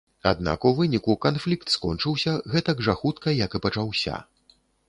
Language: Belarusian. Аднак у выніку канфлікт скончыўся гэтак жа хутка, як і пачаўся.